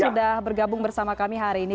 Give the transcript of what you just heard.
sudah bergabung bersama kami hari ini